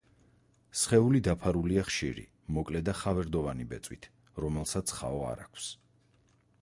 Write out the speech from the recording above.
სხეული დაფარულია ხშირი, მოკლე და ხავერდოვანი ბეწვით, რომელსაც ხაო არ აქვს.